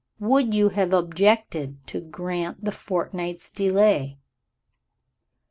"Would you have objected to grant the fortnight's delay?"